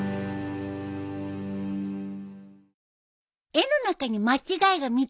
絵の中に間違いが３つあるよ。